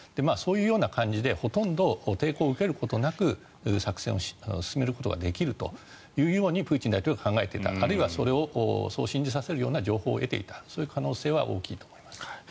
そういう感じでほとんど抵抗を受けることなく作戦を進めることができるというようにプーチン大統領は考えていたあるいはそう信じさせるような情報を得ていた可能性は大きいと思います。